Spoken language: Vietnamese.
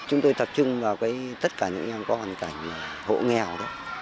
chúng tôi tập trung vào tất cả những em có hoàn cảnh hộ nghèo đó